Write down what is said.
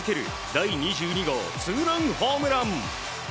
第２２号ツーランホームラン。